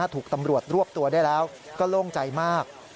ถูกตำรวจรวบตัวได้แล้วก็โล่งใจมาก